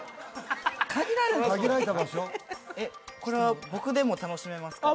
これは僕でも楽しめますか？